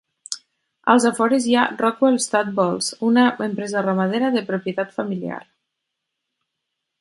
Als afores hi ha "Rockwell Stud Bulls", una empresa ramadera de propietat familiar.